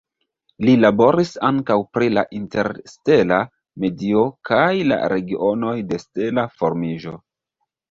Li laboris ankaŭ pri la interstela medio kaj la regionoj de stela formiĝo.